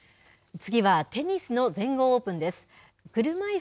次はテニスの全豪オープンです。